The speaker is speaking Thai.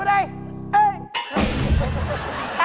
เหปาตะเกะเหปาตะเกะ